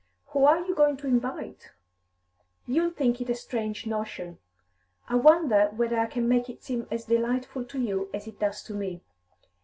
"Who are you going to invite?" "You'll think it a strange notion. I wonder whether I can make it seem as delightful to you as it does to me.